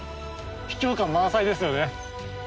秘境感満載ですよね。